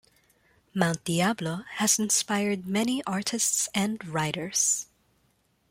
Mount Diablo has inspired many artists and writers.